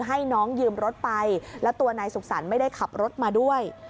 ให้น้องยืมรถไปและตัวนายสุขสรรค์ไม่ได้ขับรถมาด้วย